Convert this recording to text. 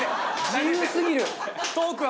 自由すぎる！